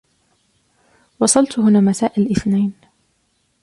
وصلت هنا مساء الإثنين.